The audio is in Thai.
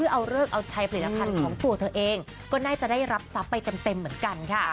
เอาเลิกเอาใช้ผลิตภัณฑ์ของตัวเธอเองก็น่าจะได้รับทรัพย์ไปเต็มเหมือนกันค่ะ